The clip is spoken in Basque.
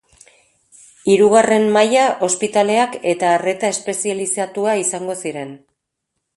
Hirugarren maila ospitaleak eta arreta espezializatua izango ziren.